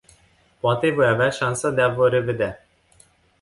Poate voi avea șansa de a vă revedea.